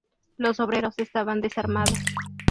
Los obreros estaban desarmados.